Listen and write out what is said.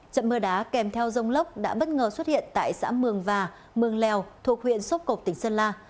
trận mưa đá kèm theo rông lốc đã bất ngờ xuất hiện tại xã mường và mường lèo thuộc huyện sốc cộp tỉnh sơn la